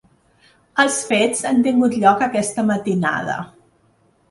Els fets han tingut lloc aquesta matinada.